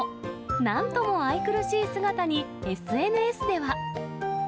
なんとも愛くるしい姿にＳＮＳでは。